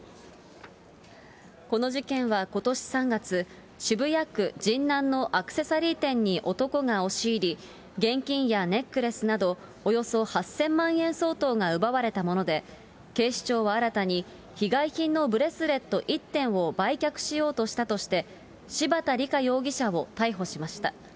この事件はことし３月、渋谷区神南のアクセサリー店に男が押し入り、現金やネックレスなどおよそ８０００万円相当が奪われたもので、警視庁は新たに被害金のブレスレット１点を売却しようとしたとして、柴田りか容疑者を逮捕しました。